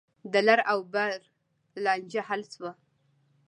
د لر او بر لانجه حل شوه.